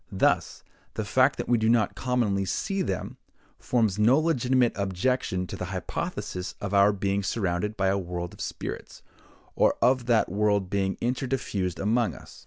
Thus, the fact that we do not commonly see them, forms no legitimate objection to the hypothesis of our being surrounded by a world of spirits, or of that world being inter diffused among us.